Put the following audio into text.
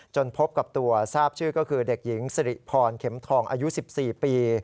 พบกับตัวทราบชื่อก็คือเด็กหญิงสิริพรเข็มทองอายุ๑๔ปี